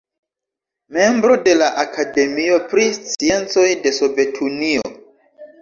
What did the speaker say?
Membro de la Akademio pri Sciencoj de Sovetunio.